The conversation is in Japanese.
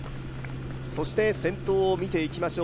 先頭を見ていきましょう。